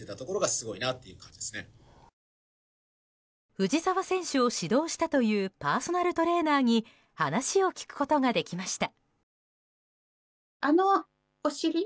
藤澤選手を指導したというパーソナルトレーナーに話を聞くことができました。